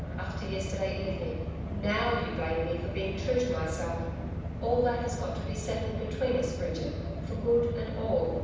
After yesterday evening. NOW, you blame me for being true to myself.... All that has got to be settled between us, Bridget for good and all.